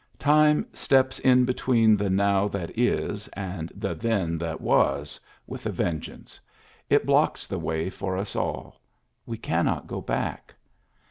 Time steps in between the now that is and the then that was with a vengeance ; it blocks the way for us all; we cannot go back.